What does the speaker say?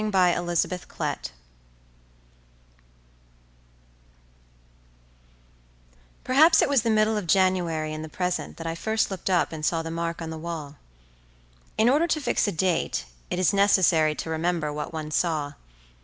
The Mark on the Wall PERHAPS it was the middle of January in the present that I first looked up and saw the mark on the wall. In order to fix a date it is necessary to remember what one saw.